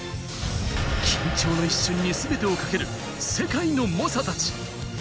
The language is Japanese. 緊張の一瞬にすべてを懸ける世界の猛者たち。